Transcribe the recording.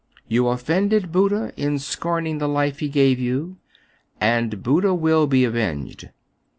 "You offended Buddha in scorning the life he gave you, and Buddha will be avenged.